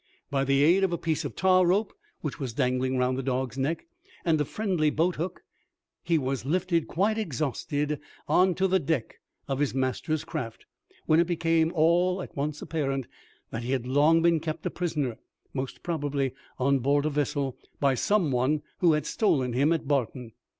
By the aid of a piece of tar rope, which was dangling round the dog's neck, and a friendly boat hook, he was lifted quite exhausted on to the deck of his master's craft, when it became at once apparent that he had long been kept a prisoner, most probably on board a vessel, by some one who had stolen him at Barton.